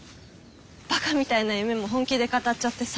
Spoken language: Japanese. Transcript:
ばかみたいな夢も本気で語っちゃってさ。